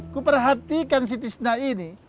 kuperhatikan si fisna ini